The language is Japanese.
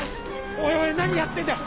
おいおい何やってんだよ！